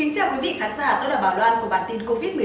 cảm ơn các bạn đã theo dõi